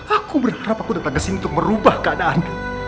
aku berharap aku datang kesini untuk merubah keadaan